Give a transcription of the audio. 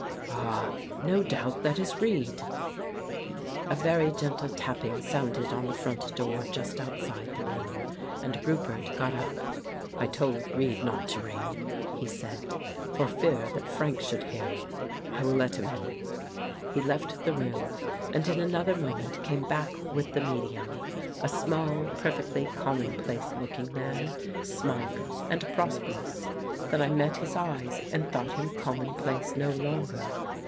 ... Ah, no doubt that is Reid. ..." A very gentle tapping sounded on the front door just outside the room, and Roupert got up. "I told Reid not to ring," he said, "for fear that Frank should hear. I will let him in." He left the room, and in another moment came back with the medium, a small, perfectly common place looking man, smug and prosperous. Then I met his eyes and thought him commonplace no longer.